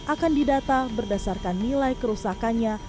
akan didata berdasarkan nilai kerusakannya